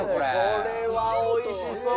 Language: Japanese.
・これはおいしそう！